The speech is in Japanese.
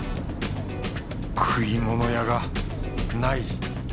食い物屋がない。